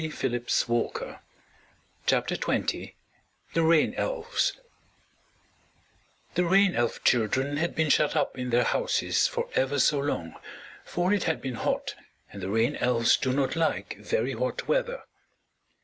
THE RAIN ELVES [Illustration: The Rain Elves] The Rain Elf children had been shut up in their houses for ever so long, for it had been hot and the Rain Elves do not like very hot weather.